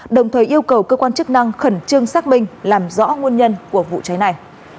đồng thời yêu cầu cơ quan chức năng khẩn trương xác minh làm rõ nguồn nhân của vụ cháy này